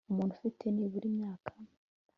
umuntu ufite nibura imyaka